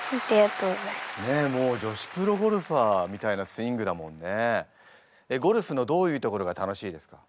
もう女子プロゴルファーみたいなスイングだもんね。